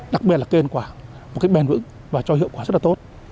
đặc biệt là kênh quả một cách bèn vững và cho hiệu quả rất là tốt